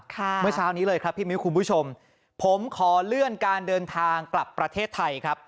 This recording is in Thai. เมื่อเช้านี้เลยครับพี่มิ้วคุณผู้ชมผมขอเลื่อนการเดินทางกลับประเทศไทยครับ